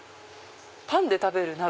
パンで食べる鍋？